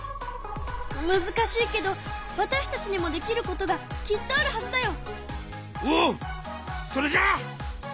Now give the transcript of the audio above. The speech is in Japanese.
むずかしいけどわたしたちにもできることがきっとあるはずだよ。おおそれじゃあ。